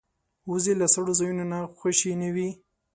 وزې له سړو ځایونو نه خوشې نه وي